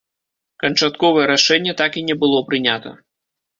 Канчатковае рашэнне так і не было прынята.